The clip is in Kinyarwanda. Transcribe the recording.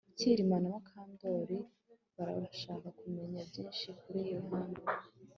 Kirima na Mukandoli barashaka kumenya byinshi kuri Yohana